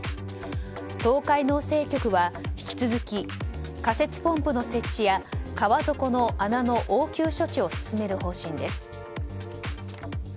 東海農政局は引き続き、仮設ポンプの設置や川底の穴の応急処置を進める方針です。